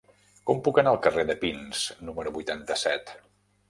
Com puc anar al carrer de Pins número vuitanta-set?